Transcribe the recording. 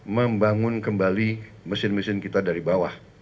membangun kembali mesin mesin kita dari bawah